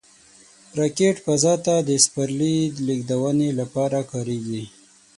راکټ فضا ته د سپرلي لیږدونې لپاره کارېږي